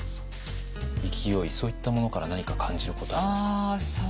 勢いそういったものから何か感じることありますか？